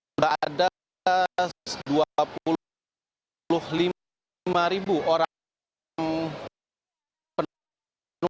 sudah ada dua puluh lima orang yang penuh